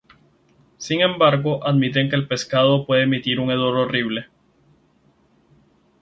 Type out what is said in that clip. Sin embargo, admiten que el pescado puede emitir un hedor horrible.